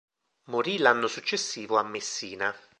Morì l'anno successivo a Messina.